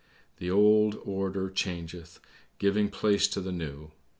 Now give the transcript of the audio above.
" The old order changeth, giving place to the new.